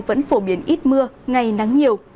vẫn phổ biến ít mưa ngày nắng nhiều